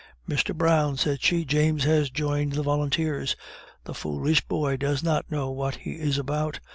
"Mr. Brown," said she, "James has joined the volunteers! the foolish boy does not know what he is about.